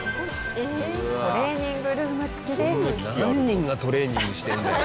何人がトレーニングしてんだよ。